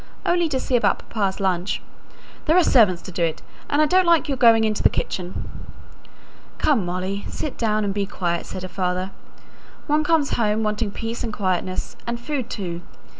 "Only to see about papa's lunch." "There are servants to do it; and I don't like your going into the kitchen." "Come, Molly! sit down and be quiet," said her father. "One comes home wanting peace and quietness and food too.